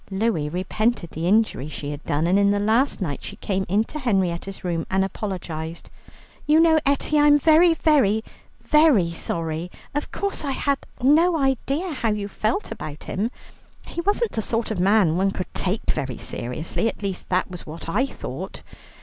Louie repented the injury she had done, and on the last night she came into Henrietta's room and apologized. "You know, Etty, I am very sorry, very, very sorry. Of course I had no idea how you felt about him. He wasn't the sort of man one could take very seriously, at least that was what I thought.